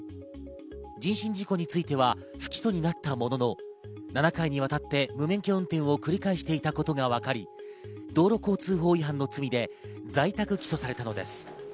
人身事故については不起訴になったものの、７回にわたって無免許運転を繰り返していたことがわかり、道路交通法違反の罪で在宅起訴されたのです。